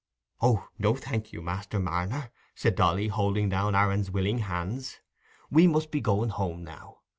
"Oh, no, thank you, Master Marner," said Dolly, holding down Aaron's willing hands. "We must be going home now.